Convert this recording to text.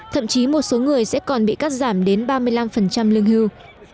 thậm chí một số người sẽ còn bị cắt giảm đến ba mươi năm lương hưu